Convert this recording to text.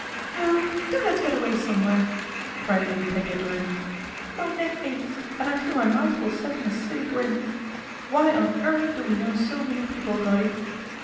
" Oh ! do let's get away somewhere," cried Lady Peggy at length. " My neck aches, and I feel my mouth will set in a silly grin. Why on earth do we know so many people, Goddy